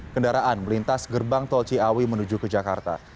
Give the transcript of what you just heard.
enam puluh tiga kendaraan melintasi gerbang tol ciawi menuju ke jakarta